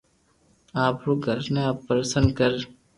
آپري گرو ني پرݾن ڪر